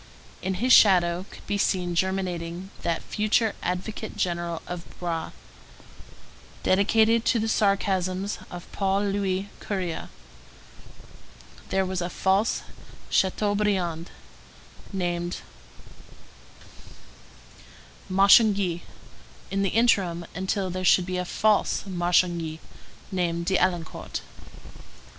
In his shadow could be seen germinating that future advocate general of Broë, dedicated to the sarcasms of Paul Louis Courier. There was a false Chateaubriand, named Marchangy, in the interim, until there should be a false Marchangy, named d'Arlincourt.